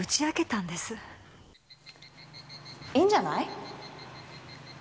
いいんじゃない？